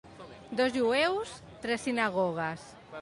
Dos jueus, tres sinagogues.